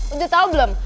udah tau belum